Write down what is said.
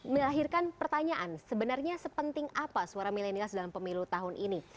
melahirkan pertanyaan sebenarnya sepenting apa suara milenials dalam pemilu tahun ini